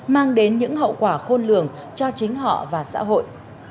mang đến những hậu quả khôn lường cho chính họ và xã hội